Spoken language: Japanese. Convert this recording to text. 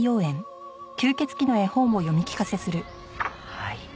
はい。